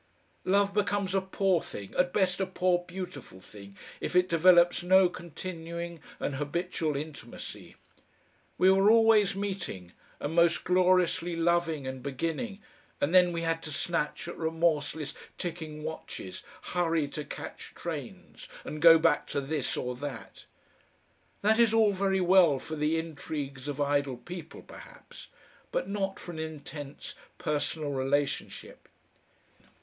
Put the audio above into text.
Love becomes a poor thing, at best a poor beautiful thing, if it develops no continuing and habitual intimacy. We were always meeting, and most gloriously loving and beginning and then we had to snatch at remorseless ticking watches, hurry to catch trains, and go back to this or that. That is all very well for the intrigues of idle people perhaps, but not for an intense personal relationship.